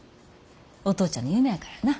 お父ちゃんの夢やからな。